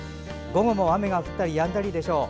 午後も雨が降ったりやんだりするでしょう。